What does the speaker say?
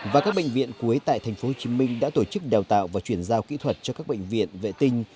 và các bệnh viện cuối tại thành phố hồ chí minh đã tổ chức đào tạo và chuyển giao kỹ thuật cho các bệnh viện vệ tinh